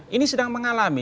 ini sedang mengalami